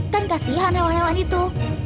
kan kasihan hewan hewan itu